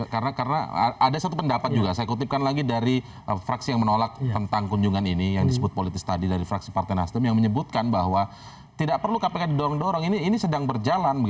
karena ada satu pendapat juga saya kutipkan lagi dari fraksi yang menolak tentang kunjungan ini yang disebut politis tadi dari fraksi partai nasdem yang menyebutkan bahwa tidak perlu kpk didorong dorong ini sedang berjalan